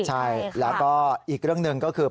ใช่แล้วก็อีกเรื่องหนึ่งก็คือ